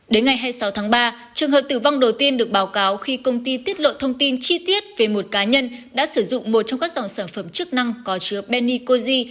đến ngày hai mươi sáu tháng ba trường hợp tử vong đầu tiên được báo cáo khi công ty tiết lộ thông tin chi tiết về một cá nhân đã sử dụng một trong các dòng sản phẩm chức năng có chứa benicozi